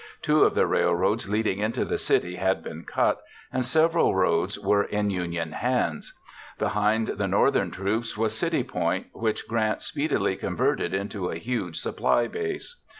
Two of the railroads leading into the city had been cut, and several roads were in Union hands. Behind the Northern troops was City Point, which Grant speedily converted into a huge supply base.